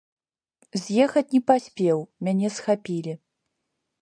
З'ехаць не паспеў, мяне схапілі.